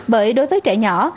bởi đối với trẻ nhỏ